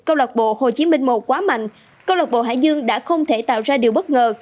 câu lạc bộ hồ chí minh một quá mạnh câu lạc bộ hải dương đã không thể tạo ra điều bất ngờ